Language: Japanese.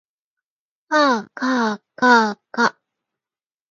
かあかあかあか